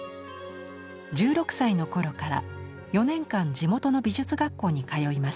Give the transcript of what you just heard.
１６歳の頃から４年間地元の美術学校に通います。